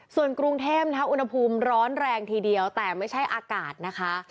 ส่วนกรุงเทพนะคะอุณหภูมิร้อนแรงทีเดียวแต่ไม่ใช่อากาศนะคะ